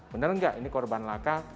benar enggak ini korban laka